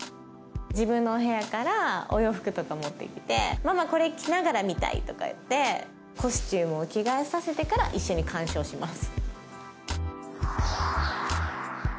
自分のお部屋からお洋服とか持ってきてママこれ着ながら見たいとか言ってコスチュームを着替えさせてから一緒に鑑賞します